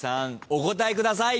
お答えください。